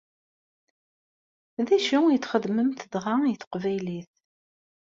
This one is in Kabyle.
D acu i txedmemt dɣa i teqbaylit?